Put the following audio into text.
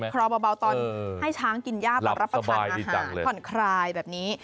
รอเบาตอนให้ช้างกินย่าตอนรับประทานอาหารผ่อนคลายแบบนี้